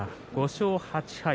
５勝８敗。